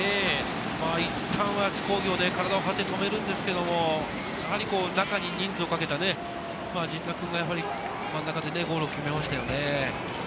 いったんは津工業、体を張って止めるんですけれども、やはり中に人数をかけた陣田君が真ん中でゴールを決めましたね。